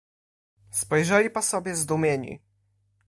"Spojrzeli po sobie zdumieni."